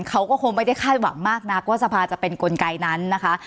เขาก็คงไม่ได้คาดหวังมากนักว่าสภาจะเป็นกลไกนั้นนะคะ